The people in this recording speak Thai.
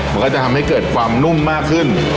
มันก็จะทำให้เกิดความนุ่มมากขึ้น